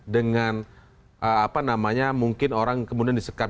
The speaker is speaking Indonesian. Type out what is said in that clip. dengan apa namanya mungkin orang kemudian di sekap